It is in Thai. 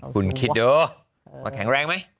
คุณคิดดูว่าแข็งแรงไหม